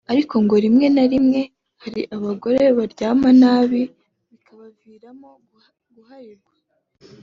ariko ngo rimwe na rimwe hari abagore baryama nabi bikabaviramo guharikwa